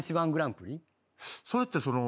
それってそのう。